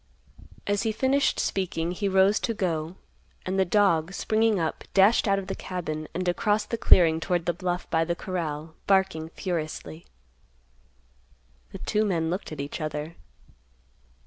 As he finished speaking, he rose to go, and the dog, springing up, dashed out of the cabin and across the clearing toward the bluff by the corral, barking furiously. The two men looked at each other.